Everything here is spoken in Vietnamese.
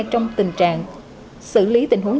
trong tình trạng xử lý tình huống